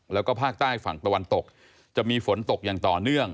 แล้วก็ภาคใต้ฝั่งตะวันตกจะมีฝนตกอย่างต่อเนื่อง